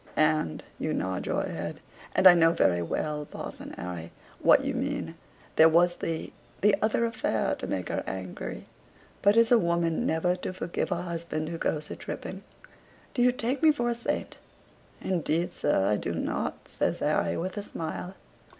And you nod your head, and I know very well, Parson Harry, what you mean. There was the the other affair to make her angry. But is a woman never to forgive a husband who goes a tripping? Do you take me for a saint?" "Indeed, sir, I do not," says Harry, with a smile.